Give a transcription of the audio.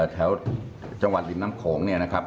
แถวจังหวัดริมน้ำโขงเนี่ยนะครับ